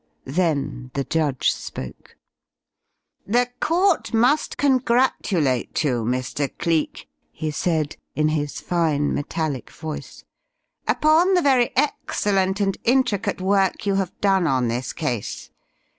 Then the judge spoke. "The court must congratulate you, Mr. Cleek," he said in his fine, metallic voice, "upon the very excellent and intricate work you have done on this case.